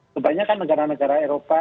kebanyakan negara negara eropa